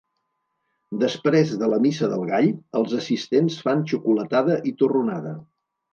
Després de la Missa del Gall, els assistents fan xocolatada i torronada.